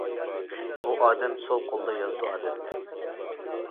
بۇ ئادەم سول قولىدا يازىدۇ ئادەتتە.